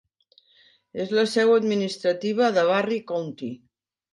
És la seu administrativa de Barry County.